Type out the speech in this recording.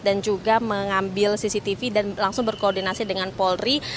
dan juga mengambil cctv dan langsung berkoordinasi dengan polri